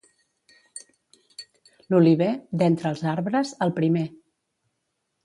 L'oliver, d'entre els arbres, el primer.